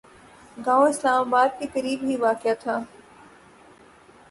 گاؤں اسلام آباد کے قریب ہی واقع تھا